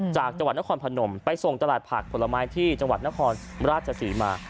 จากจังหวัดนครพนมไปส่งตลาดผักผลไม้ที่จังหวัดนครราชศรีมา